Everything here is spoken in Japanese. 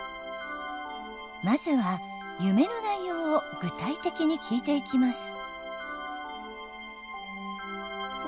まずは夢の内容を具体的に聞いていきます。